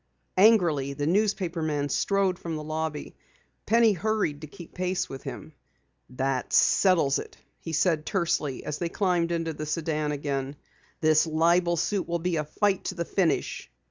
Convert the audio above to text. Angrily, the newspaper man strode from the lobby. Penny hurried to keep pace with him. "That settles it," he said tersely as they climbed into the sedan again. "This libel suit will be a fight to the finish.